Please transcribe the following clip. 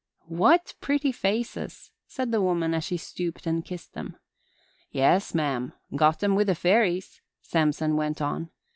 "What pretty faces!" said the woman as she stooped and kissed them. "Yes, ma'am. Got 'em from the fairies," Samson went on.